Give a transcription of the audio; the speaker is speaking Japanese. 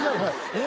え